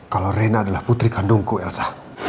kalau rena adalah putri kandungku elsa